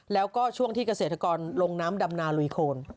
แล้วก็ช่วงที่เกษตรกรลงน้ำดำนาลุยโคน